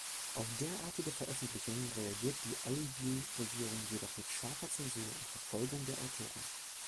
Auf derartige Veröffentlichungen reagiert die Alijew-Regierung jedoch mit scharfer Zensur und Verfolgung der Autoren.